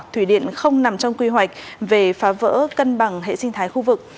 thủy điện không nằm trong quy hoạch về phá vỡ cân bằng hệ sinh thái khu vực